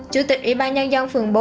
chủ tịch ủy ban nhân dông phường bốn